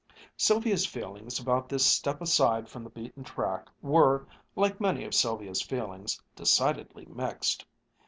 Sylvia's feelings about this step aside from the beaten track were, like many of Sylvia's feelings, decidedly mixed.